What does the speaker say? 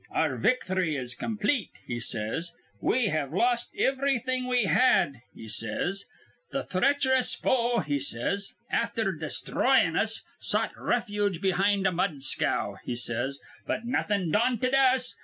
'Our victhry is complete,' he says. 'We have lost ivrything we had,' he says. 'Th' threachrous foe,' he says, 'afther destroyin' us, sought refuge behind a mud scow,' he says; 'but nawthin' daunted us.